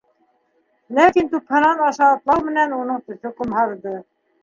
Ләкин тупһанан аша атлау менән уның төҫө ҡомһарҙы.